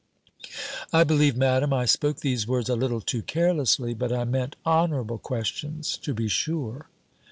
"I believe, Madam, I spoke these words a little too carelessly; but I meant honourable questions, to be sure."